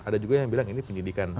ada juga yang bilang ini penyidikan